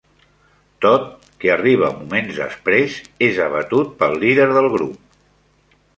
Todd, que arriba moments després, és abatut pel líder del grup.